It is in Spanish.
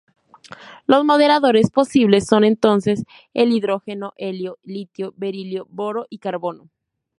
Los moderadores posibles son entonces el hidrógeno, helio, litio, berilio, boro y carbono.